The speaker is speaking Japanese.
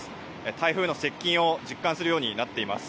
台風の接近を実感するようになっています。